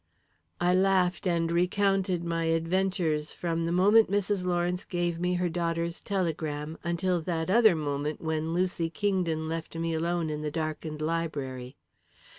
I laughed and recounted my adventures from the moment Mrs. Lawrence gave me her daughter's telegram until that other moment when Lucy Kingdon left me alone in the darkened library.